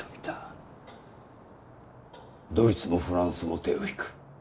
ドイツもフランスも手を引く。